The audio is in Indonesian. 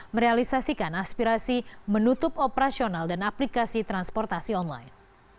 merealisasikan aspirasi menutup operasional dan aplikasi transportasi online